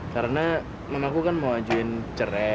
karena mamaku kan mau wajuin cerai